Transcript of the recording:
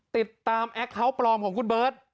ติดตามแอคเคาต์ปลอมของคุณเบิร์ต๗๕๐๐๐